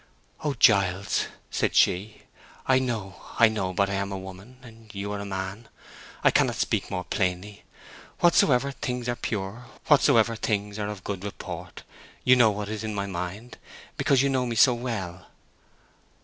"Oh, Giles," said she, "I know—I know! But—I am a woman, and you are a man. I cannot speak more plainly. 'Whatsoever things are pure, whatsoever things are of good report'—you know what is in my mind, because you know me so well."